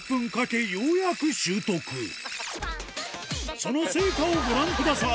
その成果をご覧ください